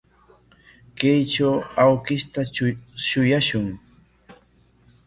Kaytraw awkishta shuyashun.